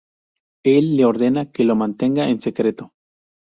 Él le ordena que lo mantenga en secreto.